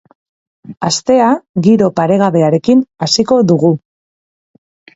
Astea giro paregabearekin hasiko dugu.